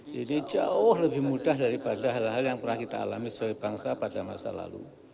jadi jauh lebih mudah daripada hal hal yang pernah kita alami sebagai bangsa pada masa lalu